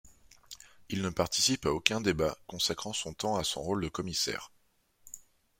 Il ne participe à aucun débat, consacrant son temps à son rôle de commissaire.